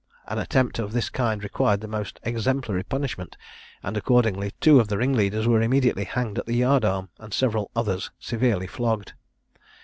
An attempt of this kind required the most exemplary punishment; and, accordingly, two of the ringleaders were immediately hanged at the yard arm, and several others severely flogged.